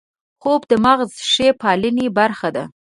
خوب د مغز ښې پالنې برخه ده